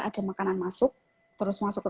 ada makanan masuk terus masuk ke